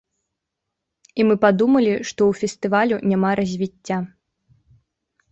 І мы падумалі, што ў фестывалю няма развіцця.